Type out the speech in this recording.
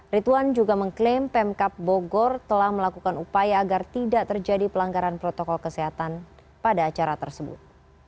rituan juga mengklaim pemkap bogor telah melakukan upaya agar tidak terjadi pelanggaran protokol kesehatan pada acara tersebut